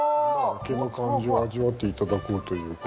毛の感じを味わって頂こうという事で。